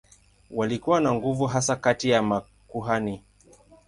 Walikuwa na nguvu hasa kati ya makuhani.